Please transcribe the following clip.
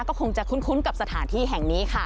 ก็คงจะคุ้นกับสถานที่แห่งนี้ค่ะ